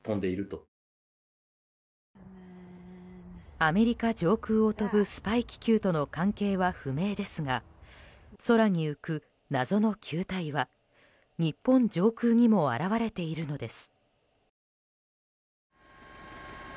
アメリカ上空を飛ぶスパイ気球との関係は不明ですが空に浮く謎の球体は日本上空にも現れているのです。